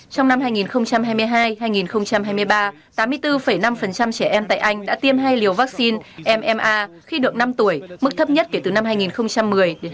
trong năm hai nghìn hai mươi hai hai nghìn hai mươi ba tám mươi bốn năm trẻ em tại anh đã tiêm hai liều vaccine mma khi được năm tuổi mức thấp nhất kể từ năm hai nghìn một mươi đến hai mươi